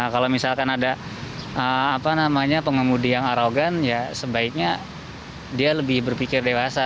kalau misalkan ada pengemudi yang arogan ya sebaiknya dia lebih berpikir dewasa